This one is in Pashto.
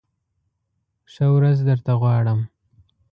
ښه ورځ درته غواړم !